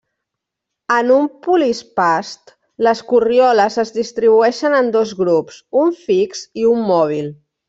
En un polispast, les corrioles es distribueixen en dos grups, un fix i un mòbil.